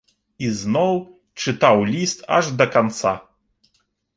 І зноў чытаў ліст аж да канца.